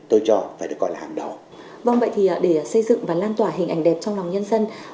tôi cho phải được gọi là hàm đỏ vâng vậy thì để xây dựng và lan tỏa hình ảnh đẹp trong lòng nhân dân